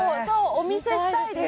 お見せしたいです。